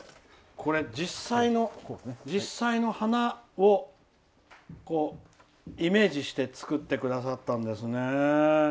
実際の花をイメージして作ってくださったんですね。